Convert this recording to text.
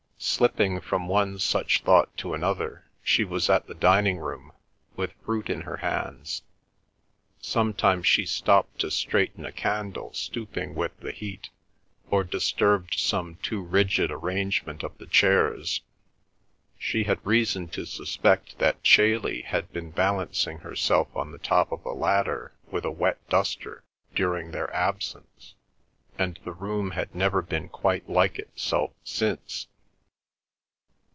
Slipping from one such thought to another, she was at the dining room with fruit in her hands. Sometimes she stopped to straighten a candle stooping with the heat, or disturbed some too rigid arrangement of the chairs. She had reason to suspect that Chailey had been balancing herself on the top of a ladder with a wet duster during their absence, and the room had never been quite like itself since.